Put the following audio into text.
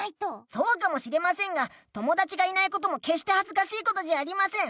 そうかもしれませんが友だちがいないこともけっしてはずかしいことじゃありません。